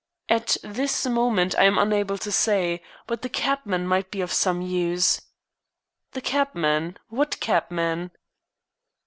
"At this moment I am unable to say. But the cabman might be of some use." "The cabman. What cabman?"